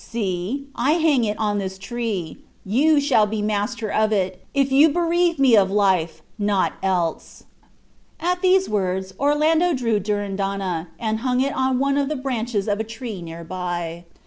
See, I hang it on this tree; you shall be master of it, if you bereave me of life; not else." At these words Orlando drew Durindana, and hung it on one of the branches of a tree near by.